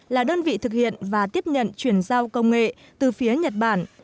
là đơn vị thực hiện và tiếp nhận chuyển giao công nghệ từ phía nhật bản